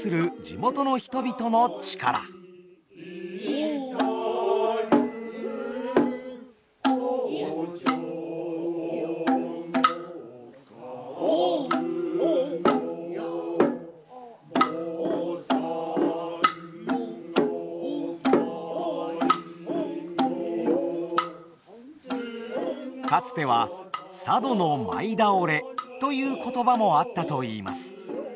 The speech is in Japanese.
胡蝶も歌舞の菩の舞のかつては「佐渡の舞倒れ」という言葉もあったといいます。